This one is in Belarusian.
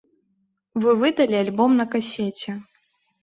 Вы выдалі альбом на касеце.